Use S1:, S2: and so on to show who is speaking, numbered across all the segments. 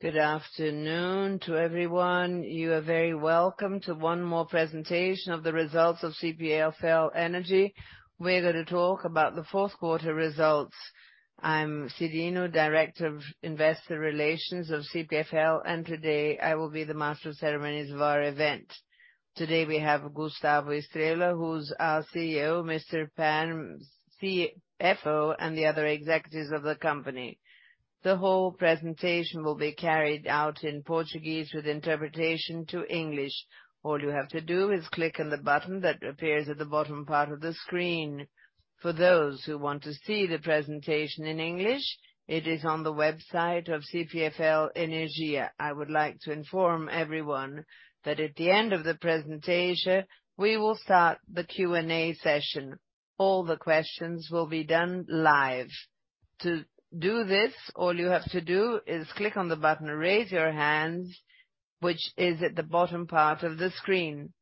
S1: Good afternoon to everyone. You are very welcome to one more presentation of the results of CPFL Energia. We're gonna talk about the fourth quarter results. I'm Cyrino, Director of Investor Relations of CPFL, Today I will be the master of ceremonies of our event. Today we have Gustavo Estrella, who's our CEO, Pan, CFO, and the other executives of the company. The whole presentation will be carried out in Portuguese with interpretation to English. All you have to do is click on the button that appears at the bottom part of the screen. For those who want to see the presentation in English, it is on the website of CPFL Energia. I would like to inform everyone that at the end of the presentation, we will start the Q&A session. All the questions will be done live. To do this, all you have to do is click on the button, raise your hand, which is at the bottom part of the screen.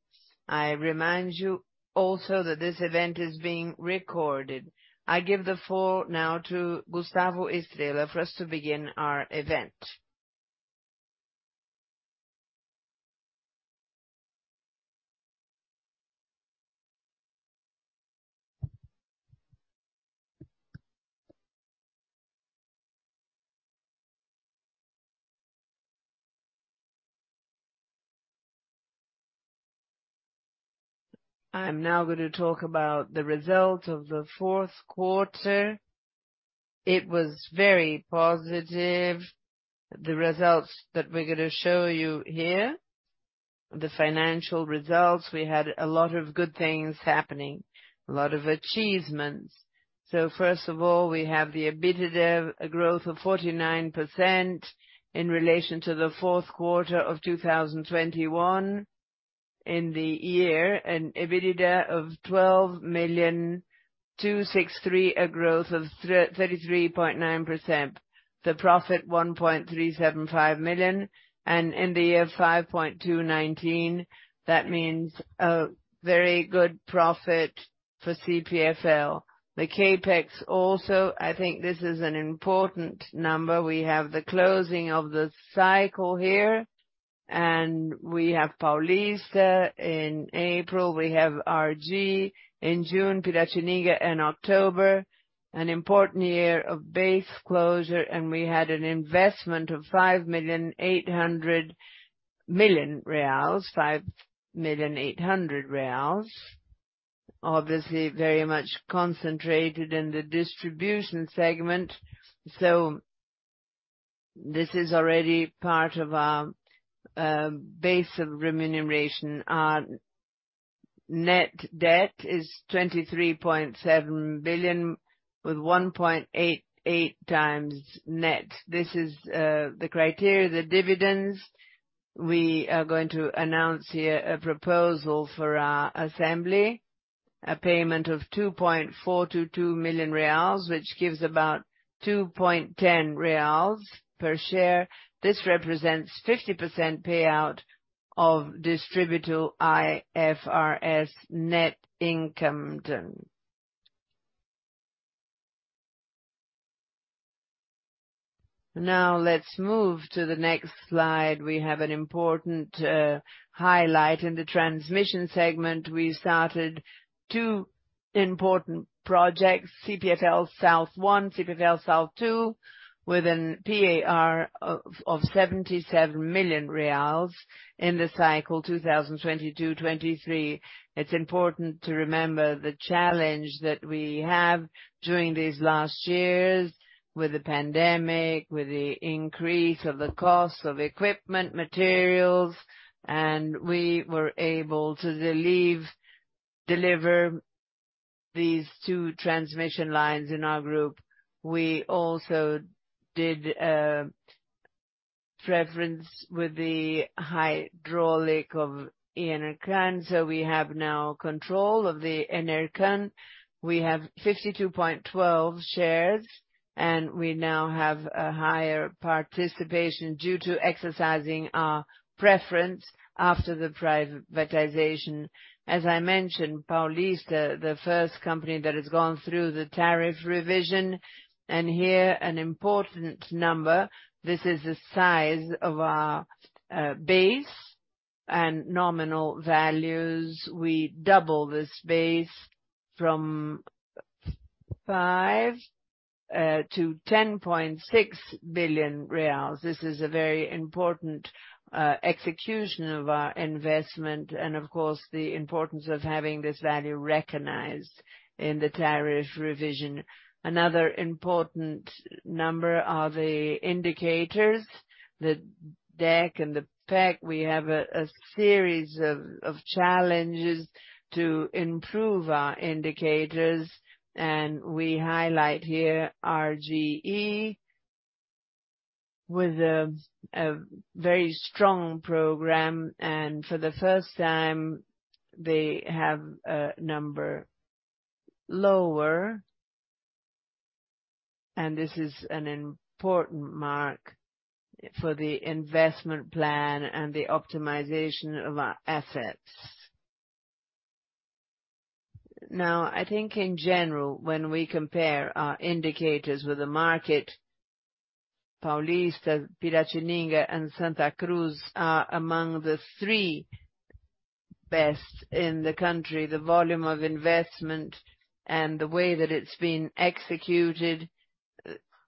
S1: I remind you also that this event is being recorded. I give the floor now to Gustavo Estrella for us to begin our event. I'm now going to talk about the results of the fourth quarter. It was very positive. The results that we're gonna show you here, the financial results, we had a lot of good things happening, a lot of achievements. First of all, we have the EBITDA, a growth of 49% in relation to the fourth quarter of 2021. In the year, an EBITDA of 12,263 million, a growth of 33.9%. The profit, 1.375 million, and in the year of 5.219 million. That means a very good profit for CPFL. The CapEx also, I think this is an important number. We have the closing of the cycle here. We have Paulista in April. We have RGE in June, Piratininga in October. An important year of base closure. We had an investment of 5,800 million. 5.8 million reais. Obviously, very much concentrated in the distribution segment. This is already part of our base of remuneration. Our net debt is 23.7 billion with 1.88x net. This is the criteria, the dividends. We are going to announce here a proposal for our assembly, a payment of 2.422 million reais, which gives about 2.10 reais per share. This represents 50% payout of distributor IFRS net income done. Let's move to the next slide. We have an important highlight. In the transmission segment, we started two important projects, CPFL Sul I, CPFL Sul II, with a PAR of 77 million reais in the cycle 2022/2023. It's important to remember the challenge that we have during these last years with the pandemic, with the increase of the cost of equipment, materials, and we were able to deliver these two transmission lines in our group. We also did a preference with the hydraulic of Enercan. We have now control of the Enercan. We have 52.12 shares, we now have a higher participation due to exercising our preference after the privatization. As I mentioned, CPFL Paulista, the first company that has gone through the tariff revision. Here, an important number. This is the size of our base and nominal values. We double this base from 5 billion-10.6 billion reais. This is a very important execution of our investment and of course, the importance of having this value recognized in the tariff revision. Another important number are the indicators, the deck and the pack. We have a series of challenges to improve our indicators, and we highlight here RGE with a very strong program. For the first time, they have a number lower. This is an important mark for the investment plan and the optimization of our assets. Now, I think in general, when we compare our indicators with the market, Paulista, Piratininga and Santa Cruz are among the three best in the country. The volume of investment and the way that it's been executed,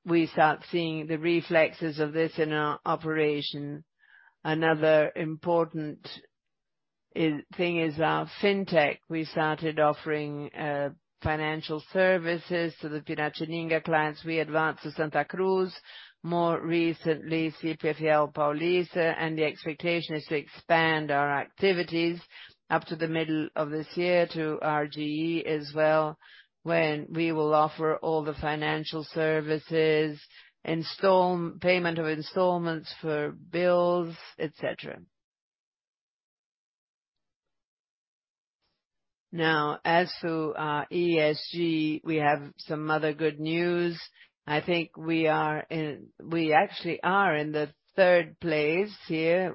S1: we start seeing the reflexes of this in our operation. Another important thing is our FinTech. We started offering financial services to the CPFL Piratininga clients. We advanced to CPFL Santa Cruz, more recently, CPFL Paulista. The expectation is to expand our activities up to the middle of this year to RGE as well, when we will offer all the financial services, installment, payment of installments for bills, et cetera. As to our ESG, we have some other good news. I think we actually are in the third place here.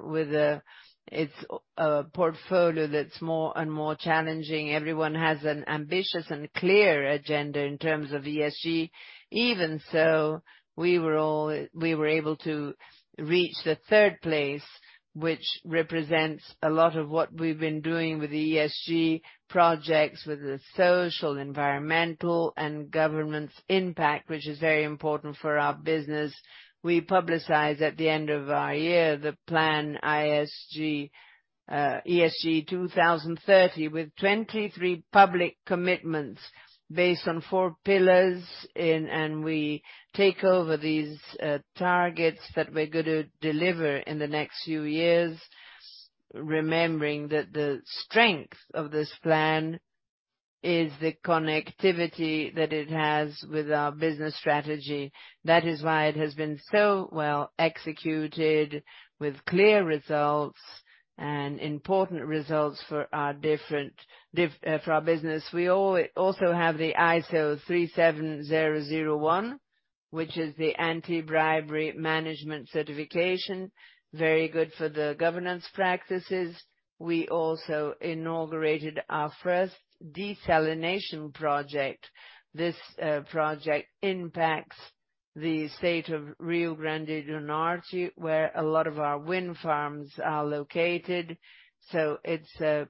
S1: It's a portfolio that's more and more challenging. Everyone has an ambitious and clear agenda in terms of ESG. We were able to reach the third place, which represents a lot of what we've been doing with ESG projects, with the social, environmental and governance impact, which is very important for our business. We publicize at the end of our year the Plan ESG 2030, with 23 public commitments based on four pillars we take over these targets that we're gonna deliver in the next few years. Remembering that the strength of this plan is the connectivity that it has with our business strategy. That is why it has been so well executed with clear results and important results for our different for our business. We also have the ISO 37001, which is the anti-bribery management certification, very good for the governance practices. We also inaugurated our first desalination project. This project impacts the state of Rio Grande do Norte, where a lot of our wind farms are located. It's the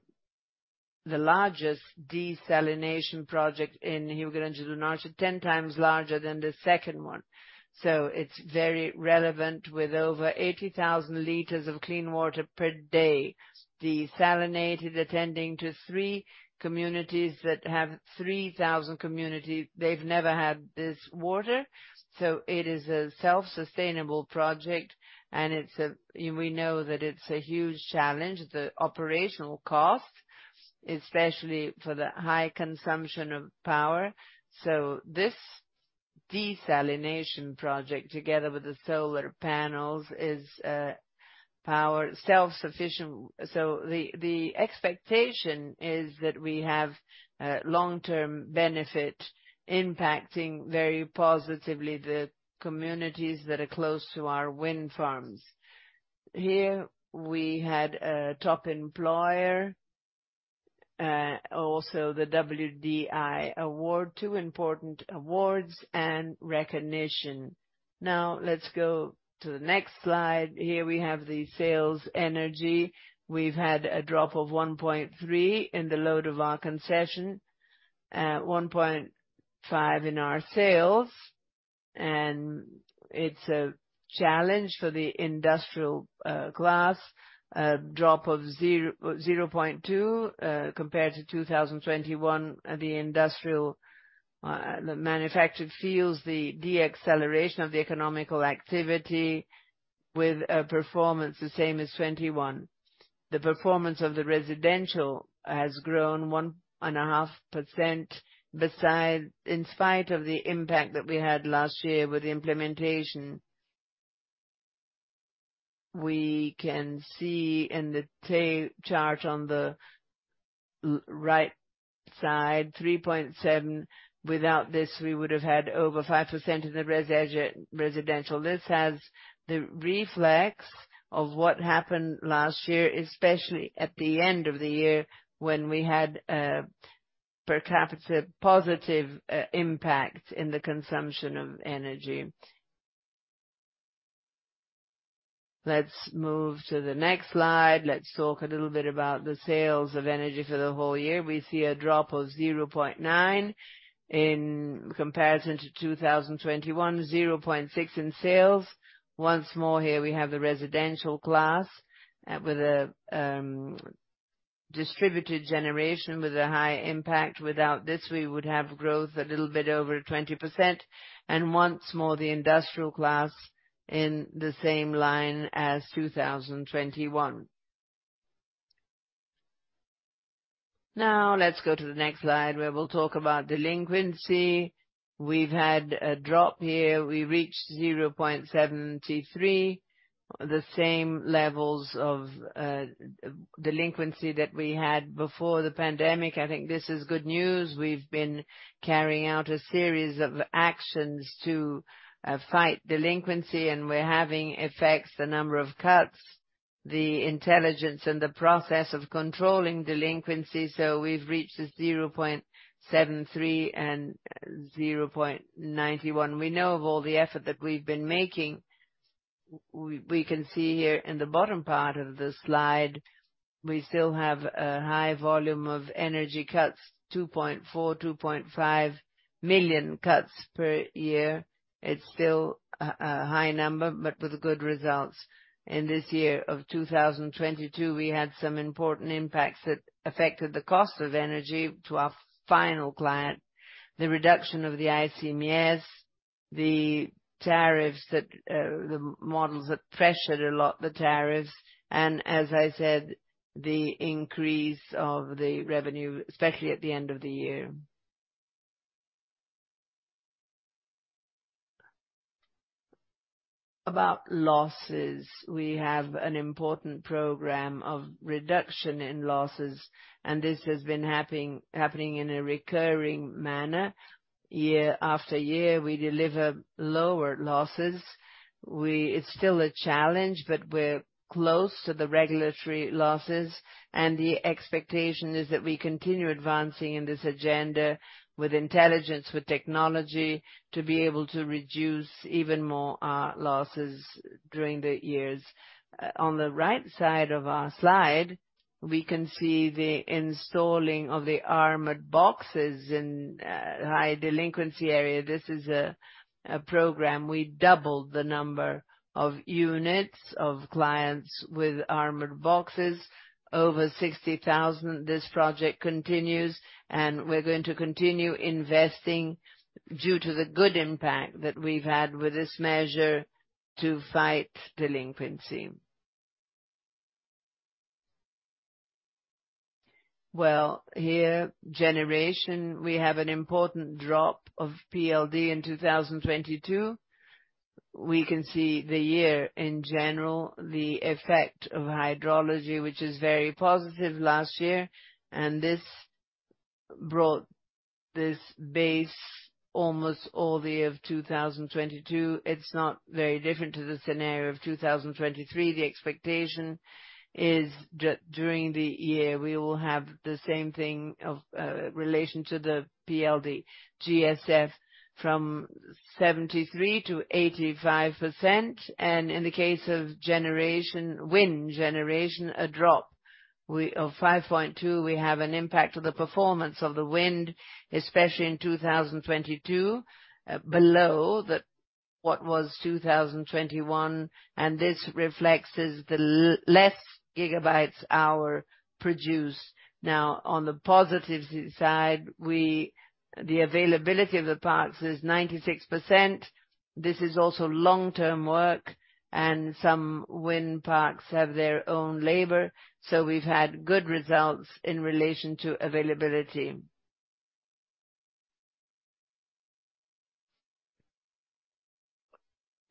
S1: largest desalination project in Rio Grande do Norte, 10x larger than the second one. It's very relevant with over 80,000 liters of clean water per day, desalinated, attending to three communities that have 3,000 community. They've never had this water. It is a self-sustainable project, and we know that it's a huge challenge, the operational cost, especially for the high consumption of power. This desalination project, together with the solar panels, is power self-sufficient. The expectation is that we have long-term benefit impacting very positively the communities that are close to our wind farms. Here we had a Top Employer, also the WDI award, two important awards and recognition. Let's go to the next slide. Here we have the sales energy. We've had a drop of 1.3 in the load of our concession, 1.5 in our sales. It's a challenge for the industrial class, a drop of 0.2% compared to 2021. The industrial, the manufactured feels the deceleration of the economic activity with a performance the same as 21. The performance of the residential has grown 1.5% in spite of the impact that we had last year with the implementation. We can see in the chart on the right side, 3.7%. Without this, we would have had over 5% in the residential. This has the reflex of what happened last year, especially at the end of the year, when we had a per capita positive impact in the consumption of energy. Let's move to the next slide. Let's talk a little bit about the sales of energy for the whole year. We see a drop of 0.9% in comparison to 2021, 0.6% in sales. Once more here we have the residential class with a distributed generation with a high impact. Without this, we would have growth a little bit over 20%. Once more, the industrial class in the same line as 2021. Let's go to the next slide, where we'll talk about delinquency. We've had a drop here. We reached 0.73%. The same levels of delinquency that we had before the pandemic. I think this is good news. We've been carrying out a series of actions to fight delinquency, and we're having effects, the number of cuts The intelligence and the process of controlling delinquency. We've reached a 0.73% and 0.91%. We know of all the effort that we've been making. We can see here in the bottom part of the slide, we still have a high volume of energy cuts, 2.4 million-2.5 million cuts per year. It's still a high number, but with good results. In this year of 2022, we had some important impacts that affected the cost of energy to our final client. The reduction of the ICMS, the tariffs that the models that pressured a lot, the tariffs, and as I said, the increase of the revenue, especially at the end of the year. About losses. We have an important program of reduction in losses, and this has been happening in a recurring manner. Year after year, we deliver lower losses. It's still a challenge, but we're close to the regulatory losses, and the expectation is that we continue advancing in this agenda with intelligence, with technology, to be able to reduce even more our losses during the years. On the right side of our slide, we can see the installing of the armored boxes in high delinquency area. This is a program. We doubled the number of units of clients with armored boxes, over 60,000. This project continues, and we're going to continue investing due to the good impact that we've had with this measure to fight delinquency. Well, here, generation, we have an important drop of PLD in 2022. We can see the year in general, the effect of hydrology, which is very positive last year. This brought this base almost all the of 2022. It's not very different to the scenario of 2023. The expectation is during the year, we will have the same thing of relation to the PLD GSF from 73%-85%. In the case of generation, wind generation, a drop. Of 5.2, we have an impact on the performance of the wind, especially in 2022, below the, what was 2021, and this reflects as the less gigabytes hour produced. Now, on the positive side, the availability of the parts is 96%. This is also long-term work, and some wind parks have their own labor. We've had good results in relation to availability.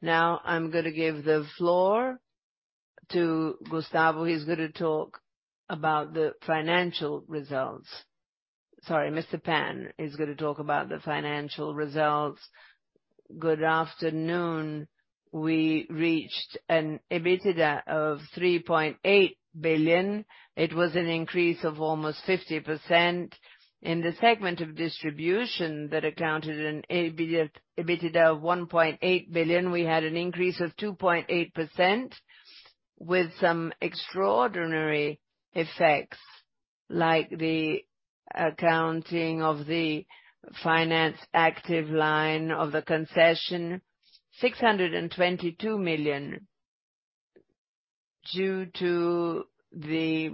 S1: Now I'm gonna give the floor to Gustavo. He's gonna talk about the financial results. Sorry, Mr. Pan is gonna talk about the financial results. Good afternoon. We reached an EBITDA of 3.8 billion. It was an increase of almost 50%. In the segment of distribution that accounted an EBITDA of 1.8 billion, we had an increase of 2.8% with some extraordinary effects, like the accounting of the finance active line of the concession, 622 million, due to the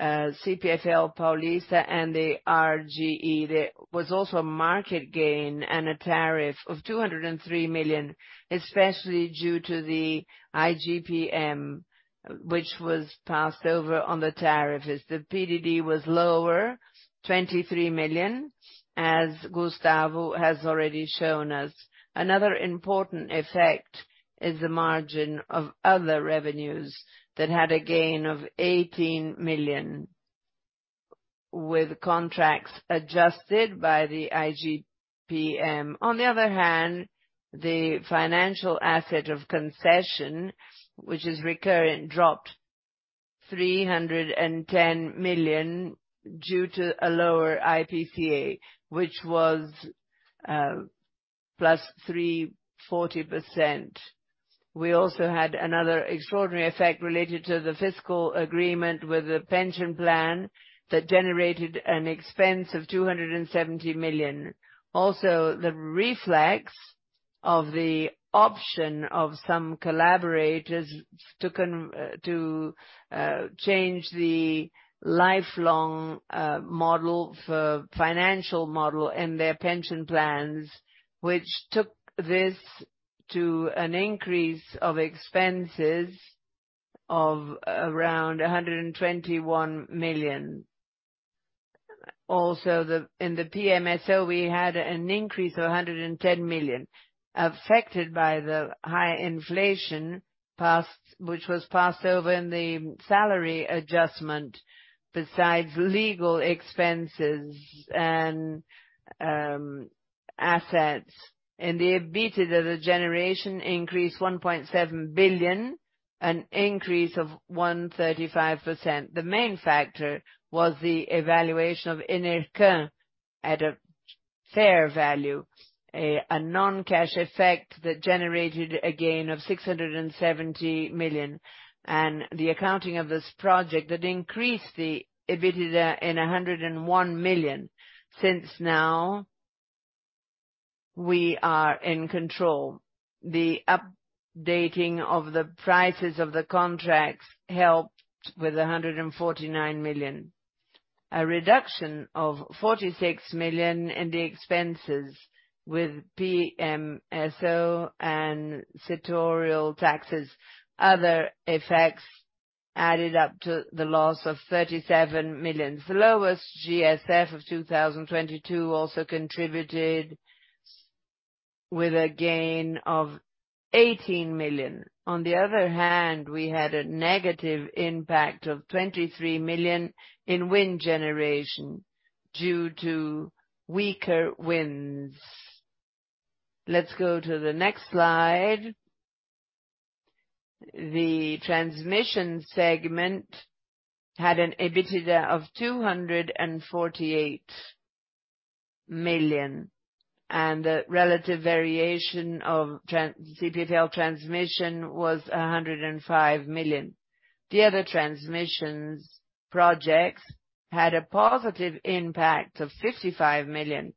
S1: CPFL Paulista and the RGE. There was also a market gain and a tariff of 203 million, especially due to the IGPM, which was passed over on the tariff. The PDD was lower, 23 million, as Gustavo has already shown us. Another important effect is the margin of other revenues that had a gain of 18 million with contracts adjusted by the IGPM. On the other hand, the financial asset of concession, which is recurrent, dropped 310 million due to a lower IPCA, which was +340%. We also had another extraordinary effect related to the fiscal agreement with the pension plan that generated an expense of 270 million. Also, the reflex of the option of some collaborators to change the lifelong model for financial model in their pension plans, which took this to an increase of expenses of around 121 million. Also, the, in the PMSO, we had an increase of 110 million affected by the high inflation passed, which was passed over in the salary adjustment, besides legal expenses and assets. In the EBITDA, the generation increased 1.7 billion. An increase of 135%. The main factor was the evaluation of Enercan at a fair value. A non-cash effect that generated a gain of 670 million. The accounting of this project that increased the EBITDA in 101 million. Since now, we are in control. The updating of the prices of the contracts helped with 149 million. A reduction of 46 million in the expenses with PMSO and sectoral taxes. Other effects added up to the loss of 37 million. The lowest GSF of 2022 also contributed with a gain of 18 million. On the other hand, we had a negative impact of 23 million in wind generation due to weaker winds. Let's go to the next slide. The transmission segment had an EBITDA of 248 million, and the relative variation of CPFL Transmissão was 105 million. The other transmissions projects had a positive impact of 55 million.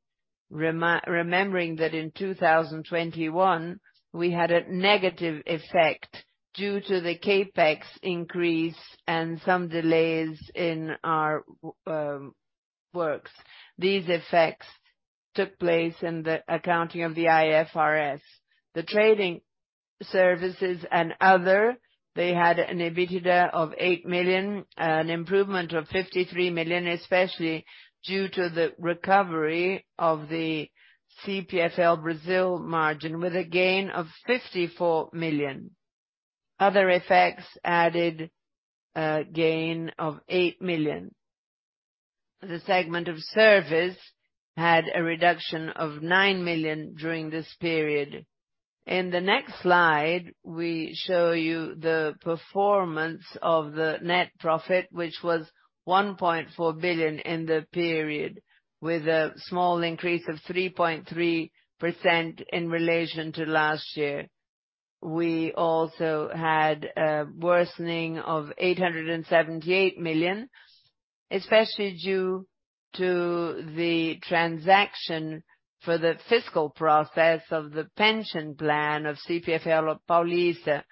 S1: Remembering that in 2021, we had a negative effect due to the CapEx increase and some delays in our works. These effects took place in the accounting of the IFRS. The trading services and other, they had an EBITDA of 8 million, an improvement of 53 million, especially due to the recovery of the CPFL Brasil margin with a gain of 54 million. Other effects added a gain of 8 million. The segment of service had a reduction of 9 million during this period. In the next slide, we show you the performance of the net profit, which was 1.4 billion in the period, with a small increase of 3.3% in relation to last year. We also had a worsening of 878 million, especially due to the transaction for the fiscal process of the pension plan of CPFL Paulista,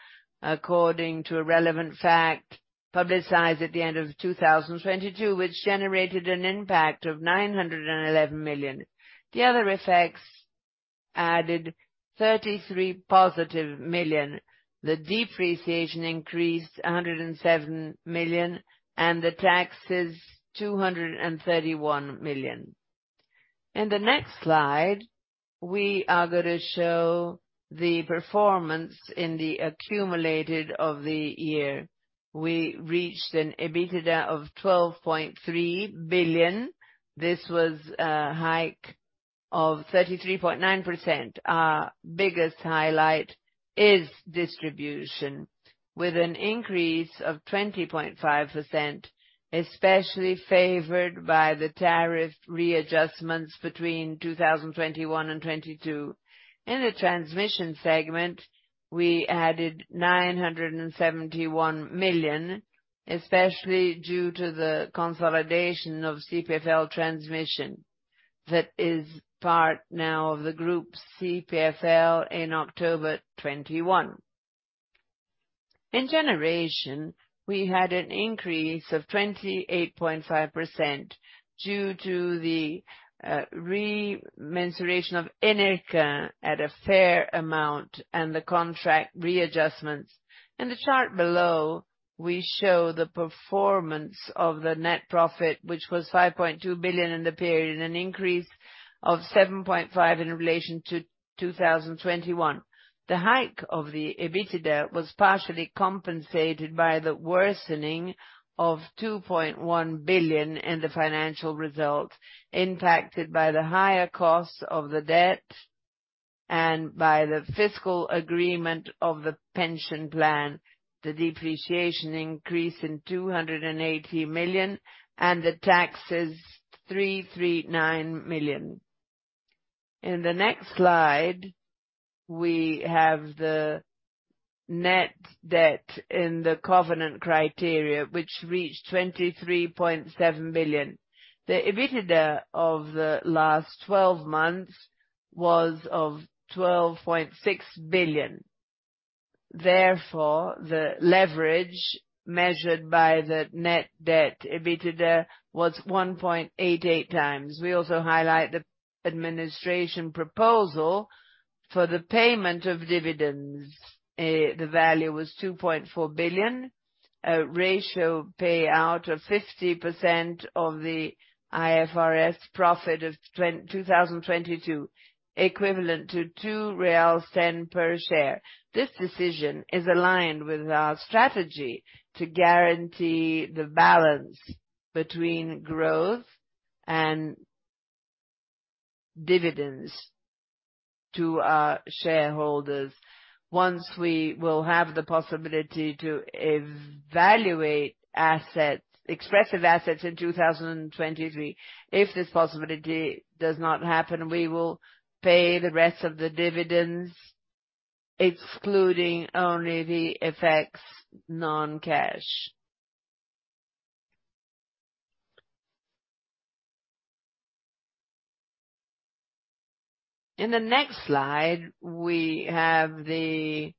S1: according to a relevant fact publicized at the end of 2022, which generated an impact of 911 million. The other effects +33 million. The depreciation increased 107 million, and the taxes, 231 million. In the next slide, we are gonna show the performance in the accumulated of the year. We reached an EBITDA of 12.3 billion. This was a hike of 33.9%. Our biggest highlight is distribution, with an increase of 20.5%, especially favored by the tariff readjustments between 2021 and 2022. In the transmission segment, we added 971 million, especially due to the consolidation of CPFL Transmissão. That is part now of the group CPFL in October 2021. In generation, we had an increase of 28.5% due to the remeasurement of Enercan at a fair amount and the contract readjustments. In the chart below, we show the performance of the net profit, which was 5.2 billion in the period, an increase of 7.5% in relation to 2021. The hike of the EBITDA was partially compensated by the worsening of 2.1 billion in the financial result, impacted by the higher costs of the debt and by the fiscal agreement of the pension plan. The depreciation increase in 280 million, and the taxes, 339 million. In the next slide, we have the net debt in the covenant criteria, which reached 23.7 billion. The EBITDA of the last 12 months was of 12.6 billion. The leverage measured by the net debt EBITDA was 1.88x. We also highlight the administration proposal for the payment of dividends. The value was 2.4 billion. A ratio payout of 50% of the IFRS profit of 2022, equivalent to 0.02 reais per share. This decision is aligned with our strategy to guarantee the balance between growth and dividends to our shareholders. We will have the possibility to evaluate assets, expressive assets in 2023. If this possibility does not happen, we will pay the rest of the dividends, excluding only the non-cash effects. In the next slide, we have the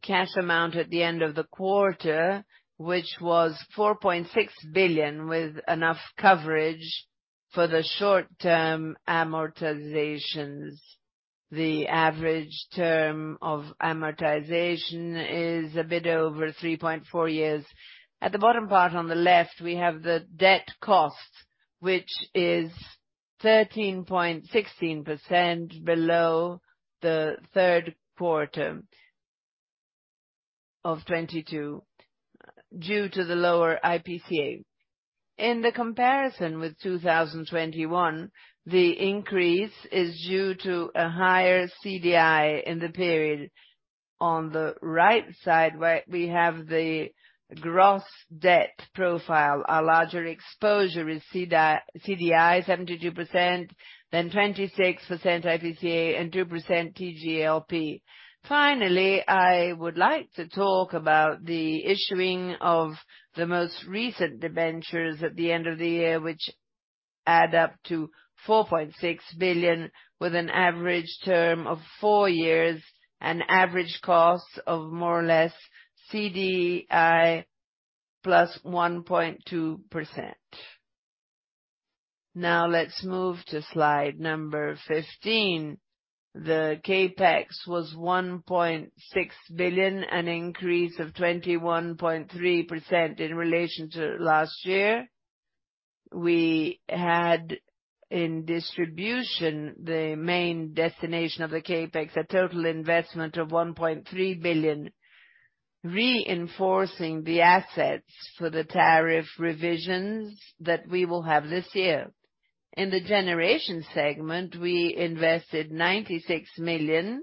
S1: cash amount at the end of the quarter, which was 4.6 billion, with enough coverage for the short-term amortizations. The average term of amortization is a bit over 3.4 years. At the bottom part on the left, we have the debt cost, which is 16% below the third quarter of 2022 due to the lower IPCA. In the comparison with 2021, the increase is due to a higher CDI in the period. On the right side, we have the gross debt profile. Our larger exposure is CDI, 72%, then 26% IPCA and 2% TJLP. I would like to talk about the issuing of the most recent debentures at the end of the year, which add up to 4.6 billion, with an average term of four years and average costs of more or less CDI +1.2%. Let's move to slide number 15. The CapEx was 1.6 billion, an increase of 21.3% in relation to last year. We had in distribution, the main destination of the CapEx, a total investment of 1.3 billion, reinforcing the assets for the tariff revisions that we will have this year. In the generation segment, we invested 96 million.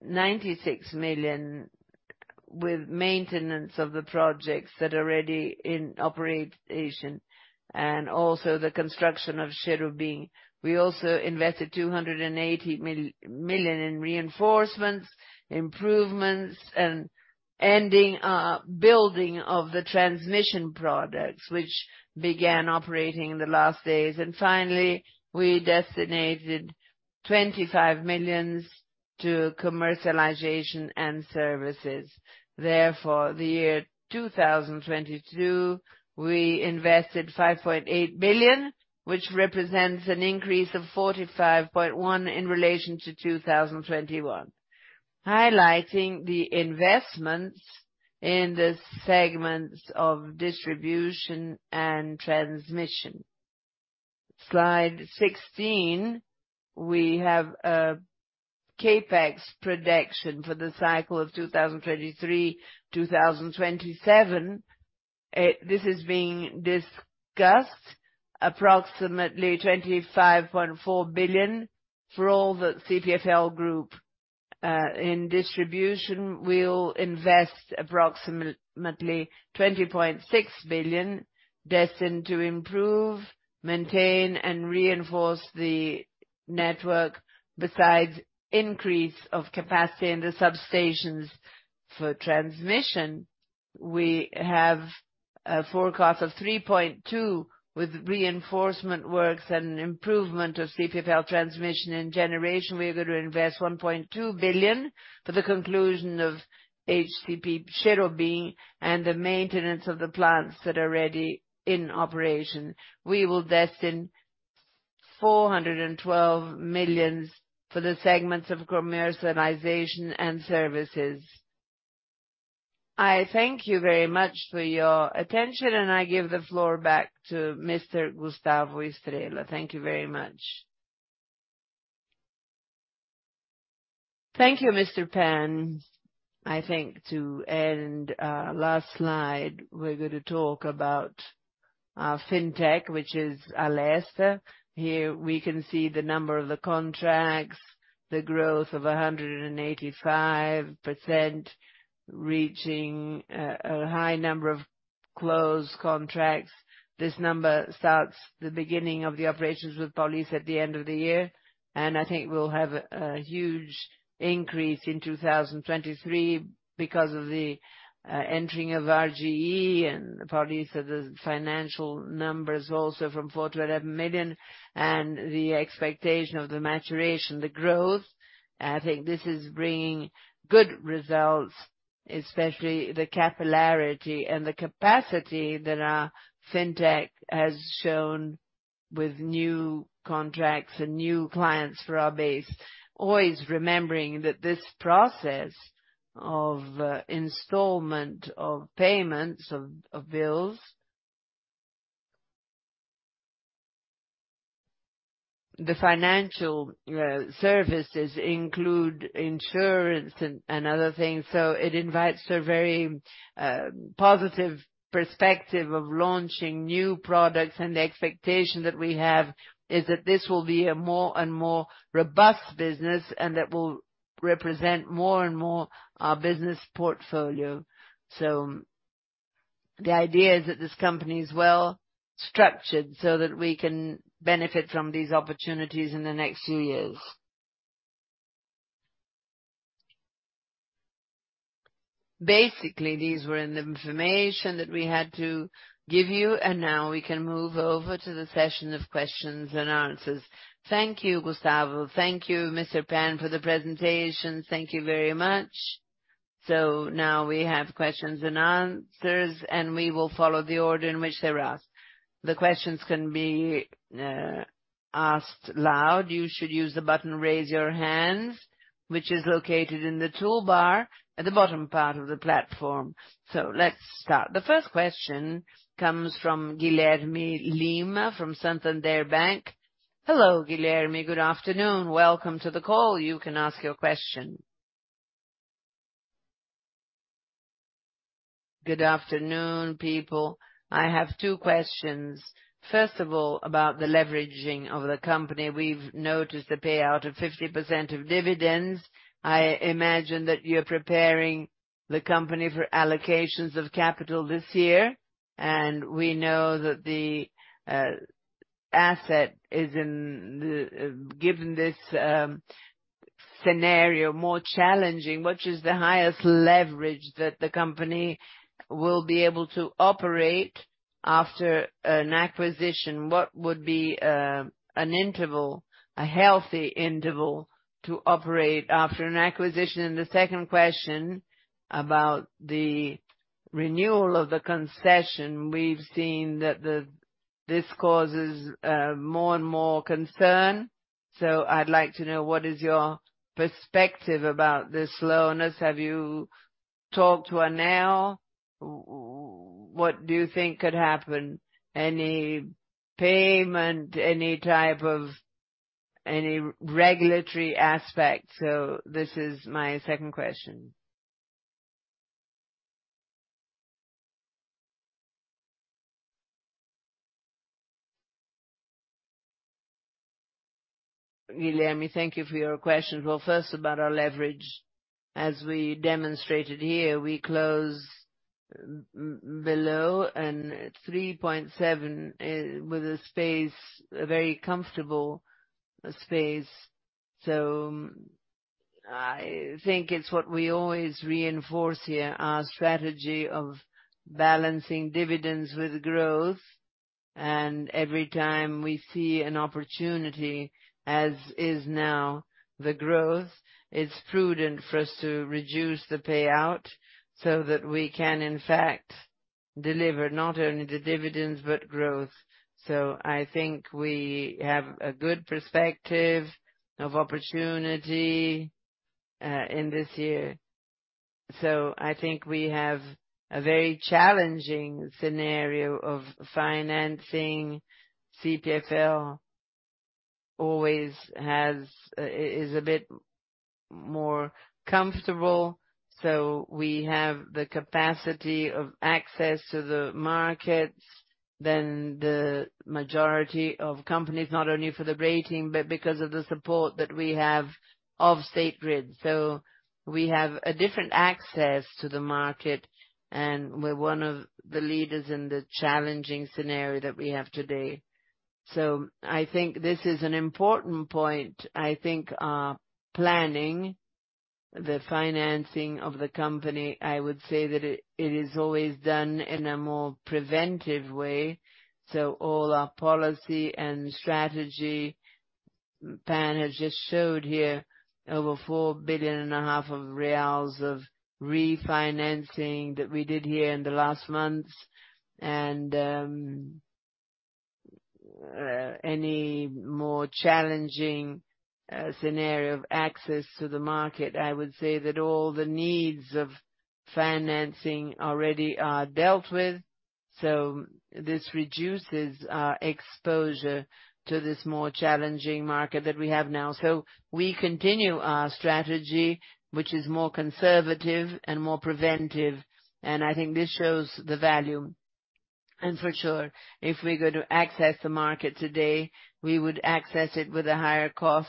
S1: 96 million with maintenance of the projects that are already in operation and also the construction of Cherobim. We also invested 280 million in reinforcements, improvements and ending our building of the transmission products which began operating in the last days. Finally, we designated 25 million to commercialization and services. Therefore, the year 2022, we invested 5.8 billion, which represents an increase of 45.1% in relation to 2021. Highlighting the investments in the segments of distribution and transmission. Slide 16, we have a CapEx projection for the cycle of 2023, 2027. This is being discussed approximately 25.4 billion for all the CPFL group. In distribution, we'll invest approximately 20.6 billion destined to improve, maintain and reinforce the network besides increase of capacity in the substations. For transmission, we have a forecast of 3.2 with reinforcement works and improvement of CPFL Transmissão. In generation, we are going to invest 1.2 billion for the conclusion of PCH Cherobim and the maintenance of the plants that are already in operation. We will destine 412 million for the segments of commercialization and services. I thank you very much for your attention. I give the floor back to Mr. Gustavo Estrella. Thank you very much. Thank you, Mr. Pan. I think to end, last slide, we're going to talk about our FinTech, which is Alesta. Here we can see the number of the contracts, the growth of 185%, reaching a high number of closed contracts. This number starts the beginning of the operations with Police at the end of the year. I think we'll have a huge increase in 2023 because of the entering of RGE and Police of the financial numbers also from 4 million-11 million. The expectation of the maturation, the growth, I think this is bringing good results, especially the capillarity and the capacity that our Fintech has shown with new contracts and new clients for our base. Always remembering that this process of installment of payments of bills. The financial services include insurance and other things, so it invites a very positive perspective of launching new products. The expectation that we have is that this will be a more and more robust business, and that will represent more and more our business portfolio. The idea is that this company is well-structured, so that we can benefit from these opportunities in the next few years. Basically, these were in the information that we had to give you, and now we can move over to the session of questions and answers. Thank you, Gustavo. Thank you, Mr. Pan, for the presentation. Thank you very much. Now we have questions and answers, and we will follow the order in which they're asked. The questions can be asked loud. You should use the button, Raise Your Hands, which is located in the toolbar at the bottom part of the platform. Let's start. The first question comes from Guilherme Lima from Santander Bank. Hello, Guilherme. Good afternoon. Welcome to the call. You can ask your question. Good afternoon, people. I have two questions. First of all, about the leveraging of the company. We've noticed a payout of 50% of dividends. I imagine that you're preparing the company for allocations of capital this year. We know that the asset is in the given this scenario more challenging, which is the highest leverage that the company will be able to operate after an acquisition. What would be an interval, a healthy interval to operate after an acquisition? The second question about the renewal of the concession. We've seen that this causes more and more concern, so I'd like to know what is your perspective about this slowness. Have you talked to ANEEL? What do you think could happen? Any payment? Any regulatory aspect? This is my second question. Guilherme, thank you for your questions. First about our leverage. As we demonstrated here, we closed below 3.7 with a space, a very comfortable space. I think it's what we always reinforce here, our strategy of balancing dividends with growth. Every time we see an opportunity, as is now the growth, it's prudent for us to reduce the payout so that we can, in fact, deliver not only the dividends but growth. I think we have a good perspective of opportunity in this year. I think we have a very challenging scenario of financing CPFL. Always has. is a bit more comfortable, so we have the capacity of access to the markets than the majority of companies, not only for the rating, but because of the support that we have of State Grid. We have a different access to the market, and we're one of the leaders in the challenging scenario that we have today. I think this is an important point. I think our planning, the financing of the company, I would say that it is always done in a more preventive way. All our policy and strategy, Pan has just showed here over 4.5 billion of refinancing that we did here in the last months. Any more challenging scenario of access to the market, I would say that all the needs of financing already are dealt with. This reduces our exposure to this more challenging market that we have now. We continue our strategy, which is more conservative and more preventive. I think this shows the value. For sure, if we're going to access the market today, we would access it with a higher cost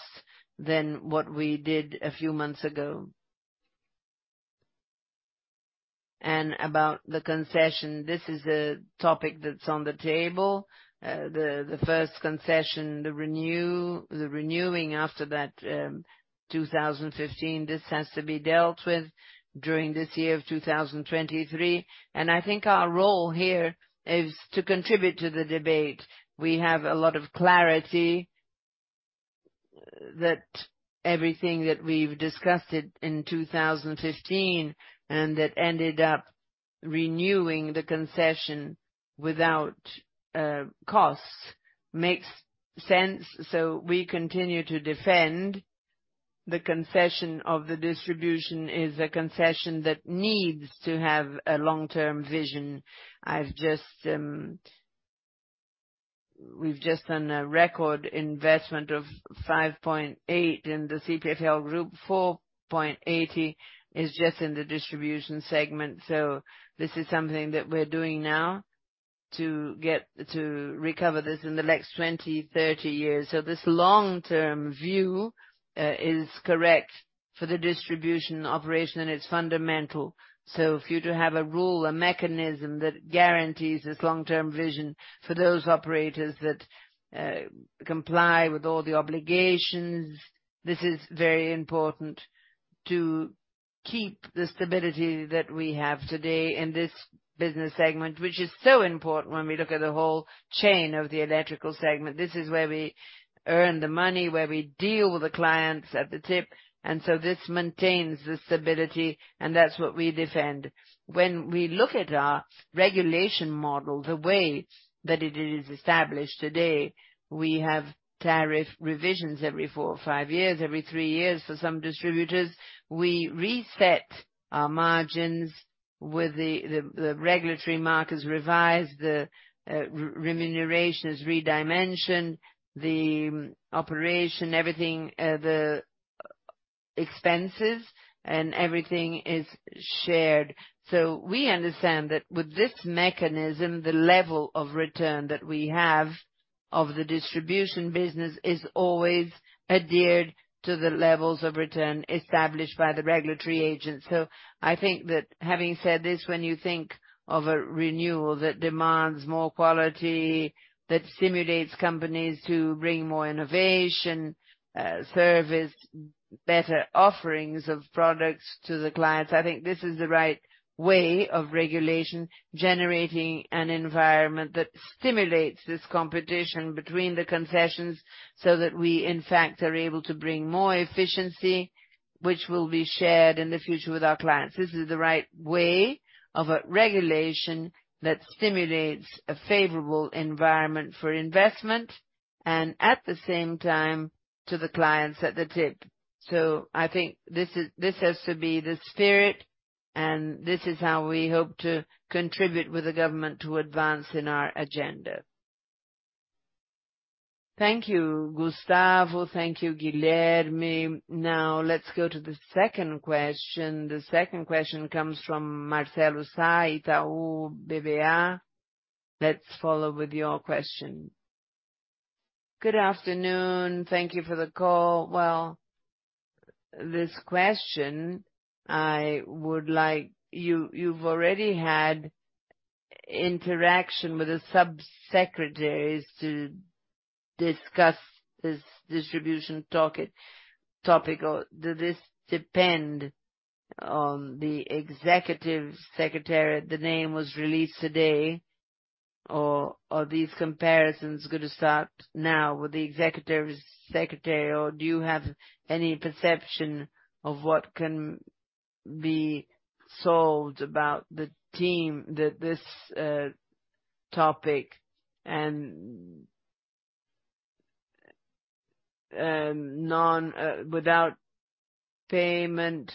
S1: than what we did a few months ago. About the concession, this is a topic that's on the table. The first concession, the renewing after that, 2015, this has to be dealt with during this year of 2023. I think our role here is to contribute to the debate. We have a lot of clarity that everything that we've discussed it in 2015, and that ended up renewing the concession without costs, makes sense. We continue to defend. The concession of the distribution is a concession that needs to have a long-term vision. We've just done a record investment of 5.8 in the CPFL group. 4.80 is just in the distribution segment. This is something that we're doing now to get to recover this in the next 20, 30 years. This long-term view is correct for the distribution operation, and it's fundamental. If you do have a rule, a mechanism that guarantees this long-term vision for those operators that comply with all the obligations, this is very important to keep the stability that we have today in this business segment, which is so important when we look at the whole chain of the electrical segment. This is where we earn the money, where we deal with the clients at the tip. This maintains the stability, and that's what we defend. We look at our regulation model, the way that it is established today, we have tariff revisions every four or five years, every three years for some distributors. We reset our margins with the regulatory markers, revise the remuneration is redimensioned, the operation, everything, the expenses and everything is shared. We understand that with this mechanism, the level of return that we have of the distribution business is always adhered to the levels of return established by the regulatory agents. I think that having said this, when you think of a renewal that demands more quality, that stimulates companies to bring more innovation, service, better offerings of products to the clients, I think this is the right way of regulation, generating an environment that stimulates this competition between the concessions, so that we, in fact, are able to bring more efficiency, which will be shared in the future with our clients. This is the right way of a regulation that stimulates a favorable environment for investment and at the same time to the clients at the tip. I think this has to be the spirit, and this is how we hope to contribute with the government to advance in our agenda. Thank you, Gustavo Estrella. Thank you, Guilherme Lima. Let's go to the second question. The second question comes from Marcelo Sá, Itaú BBA. Let's follow with your question. Good afternoon. Thank you for the call. Well, this question I would like you've already had interaction with the subsecretaries to discuss this distribution topic, topical. Do this depend on the executive secretary, the name was released today, or are these comparisons gonna start now with the executive secretary? Do you have any perception of what can be solved about the team that this topic and without payment,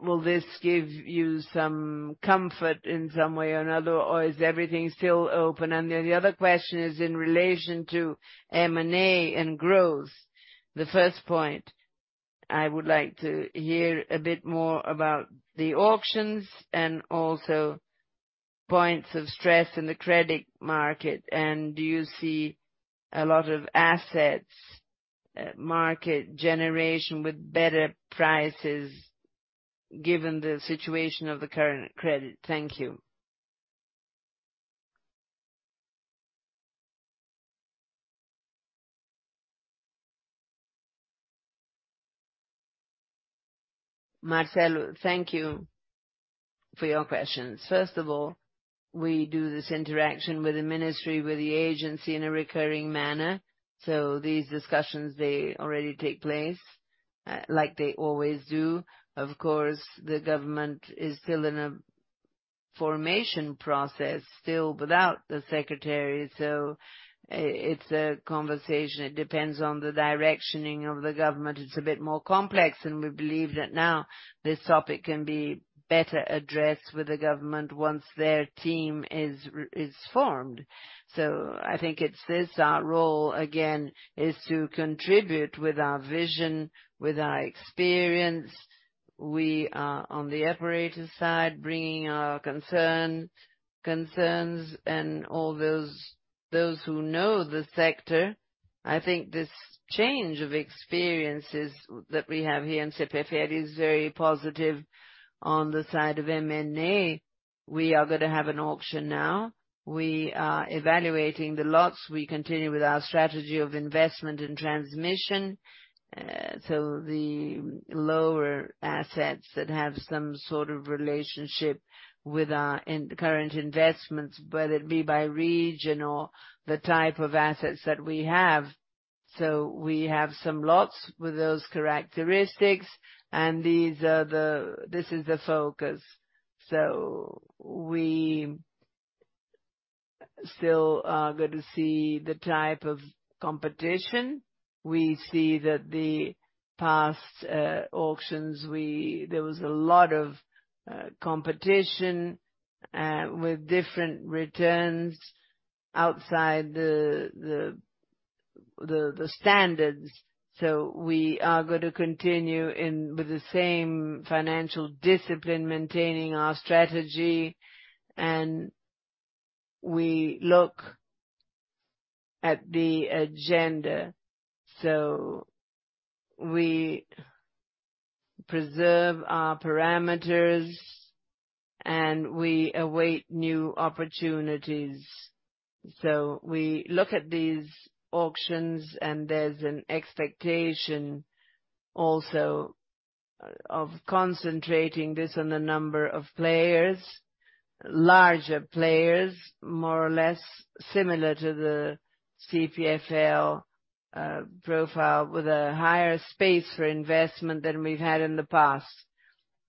S1: will this give you some comfort in some way or another, or is everything still open? The other question is in relation to M&A and growth. The first point I would like to hear a bit more about the auctions and also points of stress in the credit market. Do you see a lot of assets, market generation with better prices given the situation of the current credit? Thank you. Marcelo, thank you for your questions. First of all, we do this interaction with the ministry, with the agency in a recurring manner. These discussions, they already take place, like they always do. Of course, the government is still in a formation process, still without the secretary. It's a conversation. It depends on the directioning of the government. It's a bit more complex. We believe that now this topic can be better addressed with the government once their team is formed. I think it's this, our role, again, is to contribute with our vision, with our experience. We are on the operator side, bringing our concerns and all those who know the sector. I think this change of experiences that we have here in CPFL is very positive. On the side of M&A, we are gonna have an auction now. We are evaluating the lots. We continue with our strategy of investment in transmission. The lower assets that have some sort of relationship with our current investments, whether it be by region or the type of assets that we have. We have some lots with those characteristics, and this is the focus. Still, going to see the type of competition. We see that the past auctions, there was a lot of competition with different returns outside the standards. We are gonna continue in with the same financial discipline, maintaining our strategy, and we look at the agenda. We preserve our parameters, and we await new opportunities. We look at these auctions and there's an expectation also, of concentrating this on the number of players, larger players, more or less similar to the CPFL profile, with a higher space for investment than we've had in the past.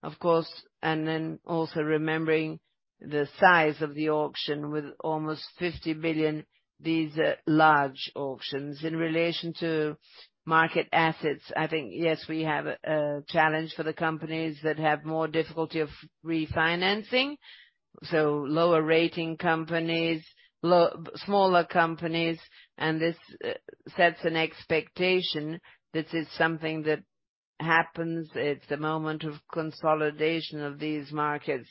S1: Of course, also remembering the size of the auction with almost 50 billion, these large auctions. In relation to market assets, I think, yes, we have a challenge for the companies that have more difficulty of refinancing. Lower rating companies, smaller companies, and this sets an expectation. This is something that happens. It's a moment of consolidation of these markets,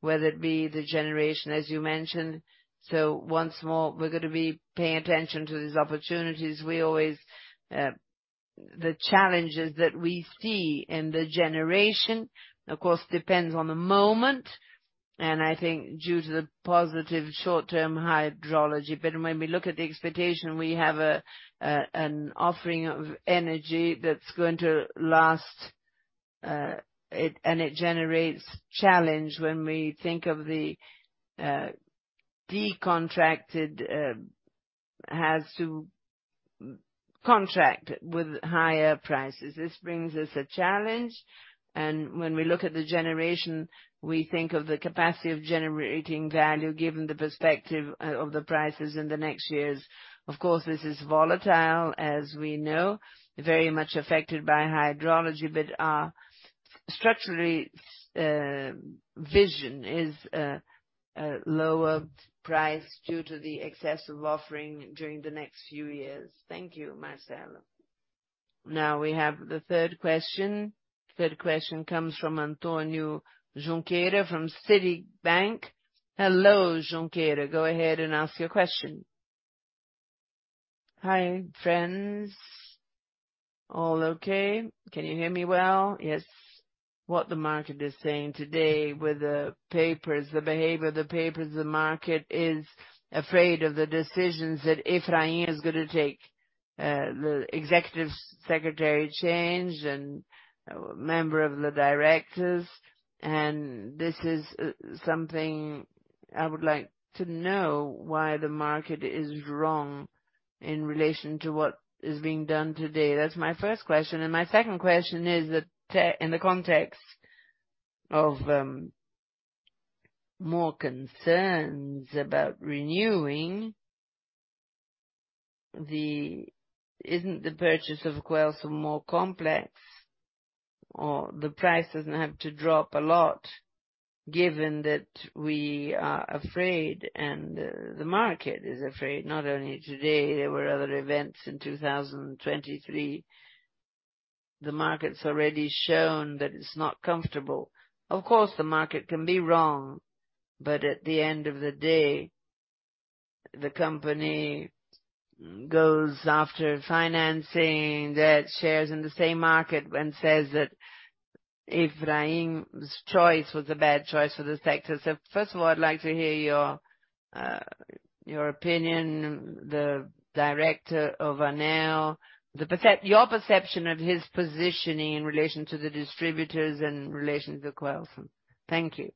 S1: whether it be the generation, as you mentioned. Once more, we're gonna be paying attention to these opportunities. We always, the challenges that we see in the generation, of course, depends on the moment, and I think due to the positive short-term hydrology. When we look at the expectation, we have an offering of energy that's going to last, and it generates challenge when we think of the decontracted, has to contract with higher prices. This brings us a challenge. When we look at the generation, we think of the capacity of generating value given the perspective of the prices in the next years. Of course, this is volatile, as we know, very much affected by hydrology, but our structurally, vision is lower price due to the excessive offering during the next few years. Thank you, Marcelo. Now we have the third question. Third question comes from Antônio Junqueira from Citibank. Hello, Junqueira. Go ahead and ask your question. Hi, friends. All okay? Can you hear me well? Yes. The market is saying today with the papers, the behavior of the papers, the market is afraid of the decisions that Efrain is gonna take. the executive secretary change and member of the directors. This is something I would like to know why the market is wrong in relation to what is being done today. That's my first question. My second question is that in the context of more concerns about renewing the... Isn't the purchase of Coelce more complex or the price doesn't have to drop a lot given that we are afraid and the market is afraid? Not only today, there were other events in 2023. The market's already shown that it's not comfortable. The market can be wrong, at the end of the day, the company goes after financing that shares in the same market and says that Efrain's choice was a bad choice for the sector. First of all, I'd like to hear your opinion, the Director of ANEEL, your perception of his positioning in relation to the distributors and relation to the Coelce. Thank you.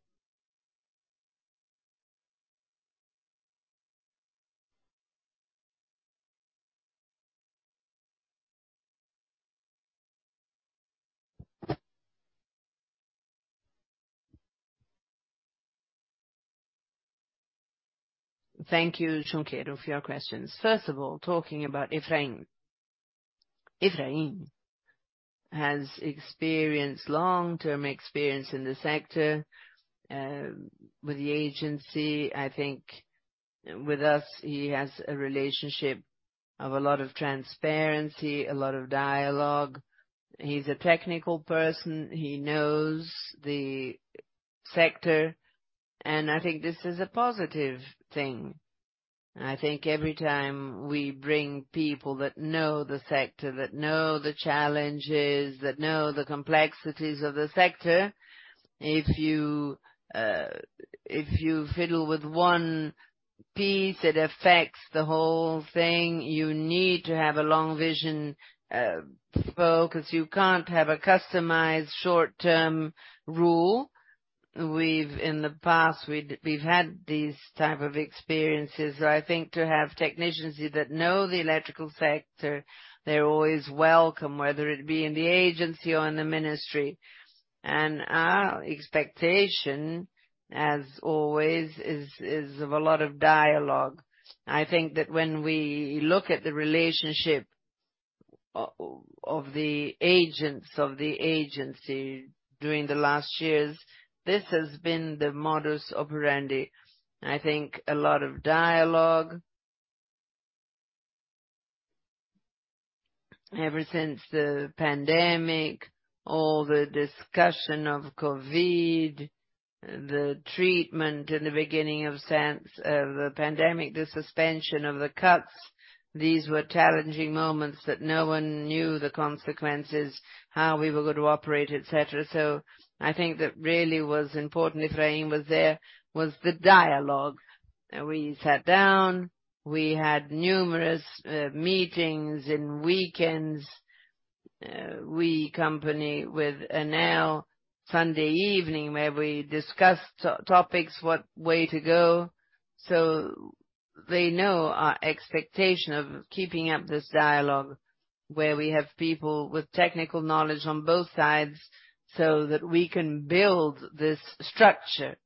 S1: Thank you, Junqueira, for your questions. First of all, talking about Efrain. Efrain has long-term experience in the sector with the agency. I think with us, he has a relationship of a lot of transparency, a lot of dialogue. He's a technical person. He knows the sector, I think this is a positive thing. I think every time we bring people that know the sector, that know the challenges, that know the complexities of the sector, if you, if you fiddle with one piece, it affects the whole thing. You need to have a long vision, focus. You can't have a customized short-term rule. In the past, we've had these type of experiences. I think to have technicians that know the electrical sector, they're always welcome, whether it be in the agency or in the ministry. And our expectation, as always, is of a lot of dialogue. I think that when we look at the relationship of the agents of the agency during the last years. This has been the modus operandi. I think a lot of dialogue. Ever since the pandemic, all the discussion of COVID, the treatment in the beginning of science, the pandemic, the suspension of the cuts, these were challenging moments that no one knew the consequences, how we were going to operate, et cetera. I think that really was important, if Rahim was there, was the dialogue. We sat down, we had numerous meetings in weekends. We company with ANEEL Sunday evening, where we discussed to-topics, what way to go. They know our expectation of keeping up this dialogue, where we have people with technical knowledge on both sides so that we can build this structure,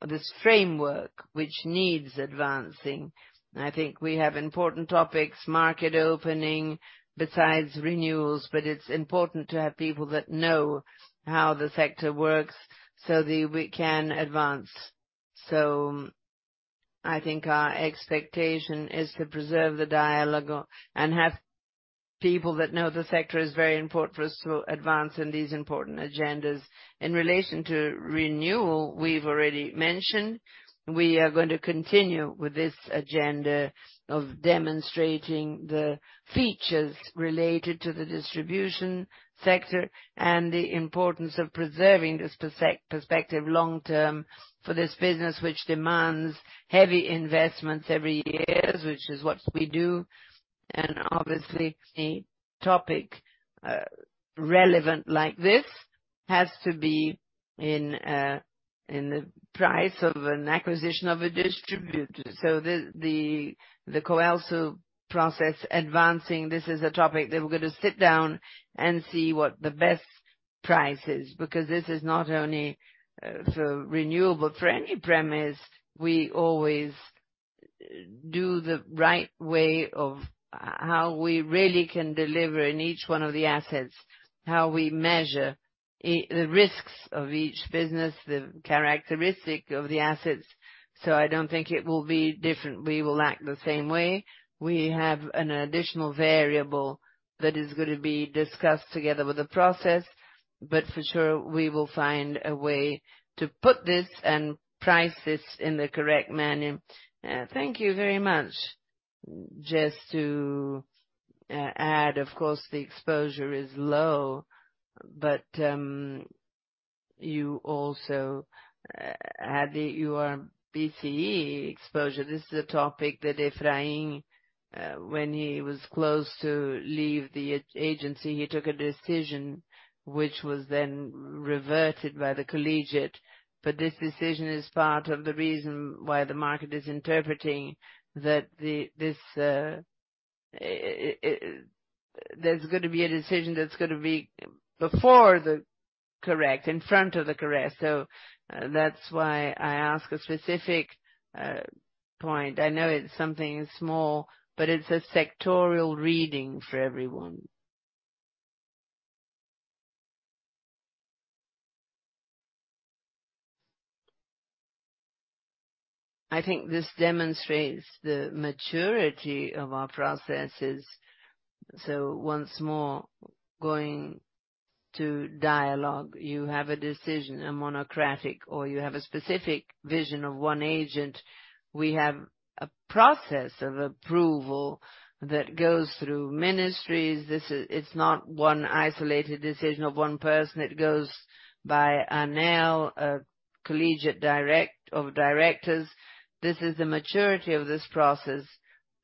S1: this framework which needs advancing. I think we have important topics, market opening besides renewals, but it's important to have people that know how the sector works so that we can advance. I think our expectation is to preserve the dialogue and have people that know the sector is very important for us to advance in these important agendas. In relation to renewal, we've already mentioned, we are going to continue with this agenda of demonstrating the features related to the distribution sector and the importance of preserving this perspective long term for this business, which demands heavy investments every years, which is what we do. Obviously any topic relevant like this has to be in the price of an acquisition of a distributor. The Coelce process advancing, this is a topic that we're gonna sit down and see what the best price is, because this is not only for renewable, for any premise, we always do the right way of how we really can deliver in each one of the assets, how we measure the risks of each business, the characteristic of the assets. I don't think it will be different. We will act the same way. We have an additional variable that is gonna be discussed together with the process, but for sure, we will find a way to put this and price this in the correct manner. Thank you very much. Just to add, of course, the exposure is low, but you also had your BCE exposure. This is a topic that Efrain, when he was close to leave the agency, he took a decision which was then reverted by the collegiate. This decision is part of the reason why the market is interpreting that this. There's going to be a decision that's going to be before the correct, in front of the correct. That's why I ask a specific point. I know it's something small, but it's a sectorial reading for everyone. I think this demonstrates the maturity of our processes. Once more, going to dialogue. You have a decision, a monocratic, or you have a specific vision of one agent. We have a process of approval that goes through ministries. It's not one isolated decision of one person. It goes by ANEEL, a collegiate direct of directors. This is the maturity of this process,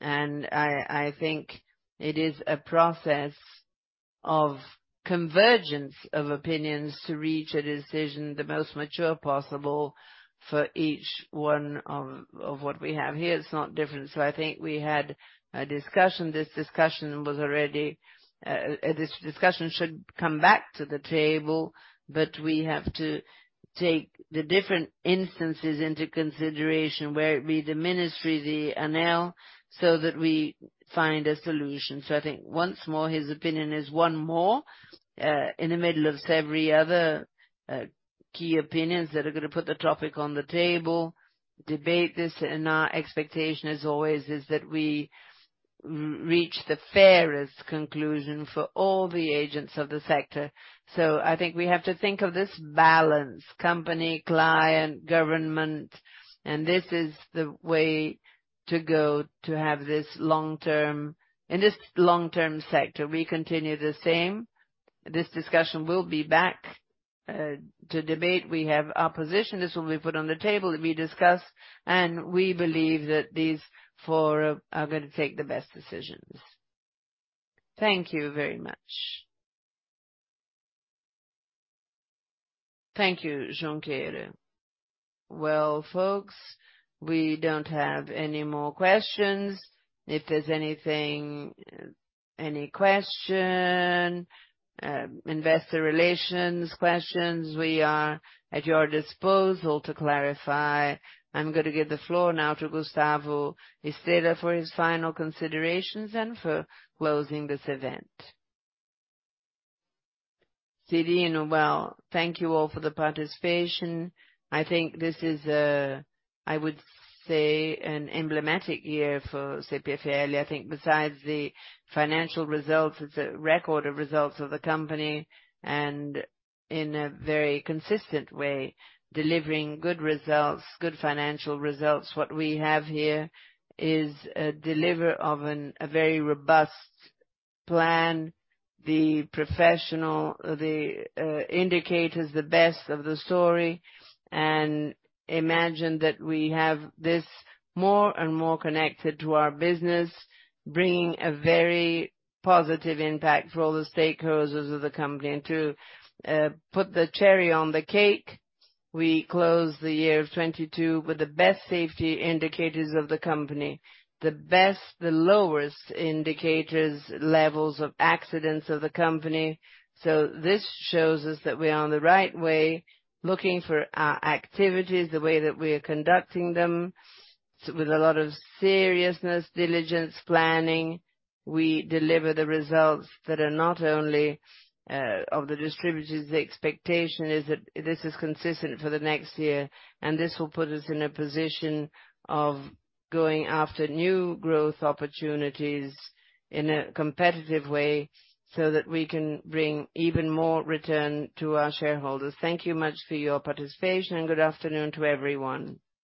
S1: I think it is a process of convergence of opinions to reach a decision, the most mature possible for each one of what we have here. It's not different. I think we had a discussion. This discussion was already... This discussion should come back to the table, but we have to take the different instances into consideration, where it be the ministry, the ANEEL, so that we find a solution. I think once more, his opinion is one more in the middle of every other key opinions that are gonna put the topic on the table, debate this. Our expectation is always that we reach the fairest conclusion for all the agents of the sector. I think we have to think of this balance, company, client, government, and this is the way to go to have this long-term. In this long-term sector, we continue the same. This discussion will be back to debate. We have our position. This will be put on the table to be discussed, and we believe that these four are gonna take the best decisions. Thank you very much. Thank you, Carlos Cyrino. Folks, we don't have any more questions. If there's anything, any question, investor relations questions, we are at your disposal to clarify. I'm gonna give the floor now to Gustavo Estrella for his final considerations and for closing this event. Cyrino, thank you all for the participation. I think this is a, I would say, an emblematic year for CPFL. I think besides the financial results, it's a record of results of the company, and in a very consistent way, delivering good results, good financial results. What we have here is a deliver of a very robust plan. The professional, the indicators, the best of the story. Imagine that we have this more and more connected to our business, bringing a very positive impact for all the stakeholders of the company. To put the cherry on the cake, we closed the year of 2022 with the best safety indicators of the company, the lowest indicators, levels of accidents of the company. This shows us that we are on the right way, looking for our activities, the way that we are conducting them. With a lot of seriousness, diligence, planning, we deliver the results that are not only of the distributors. The expectation is that this is consistent for the next year. This will put us in a position of going after new growth opportunities in a competitive way so that we can bring even more return to our shareholders. Thank you much for your participation. Good afternoon to everyone.